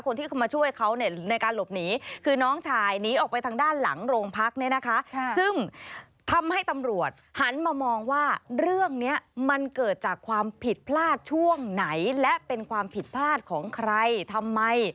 คนที่เข้ามาช่วยเขาเนี่ยในการหลบหนีคือน้องชายหนีออกไปทางด้านหลังโรงพักเนี่ยนะคะซึ่งทำให้ตำรวจหันมามองว่าเรื่องนี้มันเกิดจากความผิดพลาดช่วงไหนและเป็นความผิดพลาดของใครทำไม